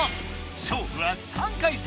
勝負は３回戦。